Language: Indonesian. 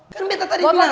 kan bete tadi bilang toh